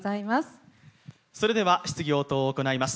それでは質疑応答を行います。